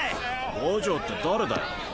五条って誰だよ？